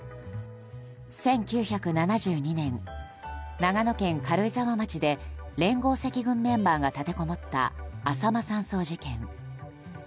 １９７２年、長野県軽井沢町で連合赤軍メンバーが立てこもったあさま山荘事件。